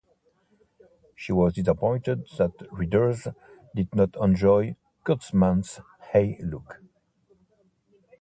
She was disappointed that readers did not enjoy Kurtzman's Hey Look!